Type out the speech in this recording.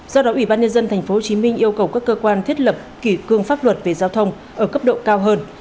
do đó ủy ban nhân dân tp hcm yêu cầu các cơ quan thiết lập kỷ cương pháp luật về giao thông ở cấp độ cao hơn